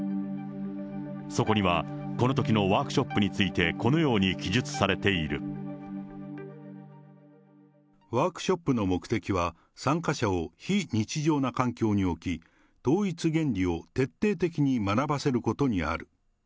そこには、このときのワークショップについて、このように記述さワークショップの目的は、参加者を非日常な環境に置き、統一原理を徹底的に学ばせることにある。